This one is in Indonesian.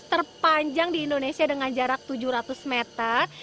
terpanjang di indonesia dengan jarak tujuh ratus meter